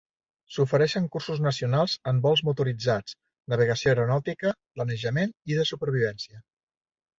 S'ofereixen cursos nacionals en vols motoritzats, navegació aeronàutica, planejament i de supervivència.